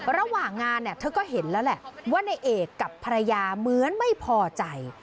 ระหว่างงานเนี่ยเธอก็เห็นแล้วแหละว่าในเอกกับภรรยาเหมือนไม่พอใจ